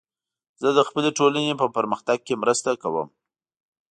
زه د خپلې ټولنې په پرمختګ کې مرسته کوم.